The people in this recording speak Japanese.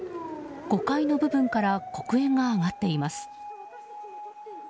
５階の部分から黒煙が上がっています。